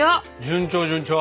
順調順調。